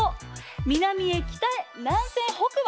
南へ北へ南船北馬。